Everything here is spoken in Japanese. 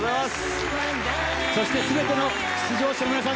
そして全ての出場者の皆さん